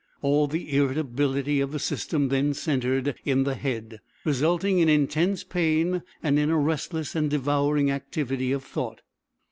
All the irritability of the system then centered in the head, resulting in intense pain and in a restless and devouring activity of thought.